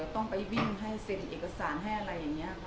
ต้องไปวิ่งให้เซ็นเอกสารให้อะไรอย่างนี้ค่ะ